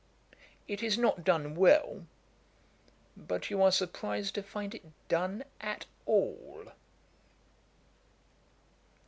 It is not done well; but you are surprized to find it done at all.'